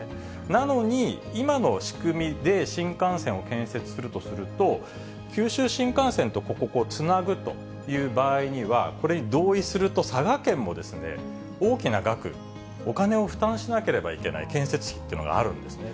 なのに、今の仕組みで新幹線を建設するとすると、九州新幹線とここをつなぐという場合には、これに同意すると、佐賀県も大きな額、お金を負担しなければいけない、建設費というのがあるんですね。